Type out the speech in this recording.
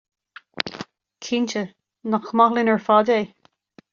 Cinnte, nach maith linn ar fad é?